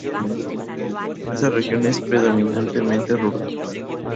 Esta región es predominantemente rural.